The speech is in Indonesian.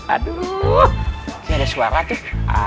aduh ini ada suara kek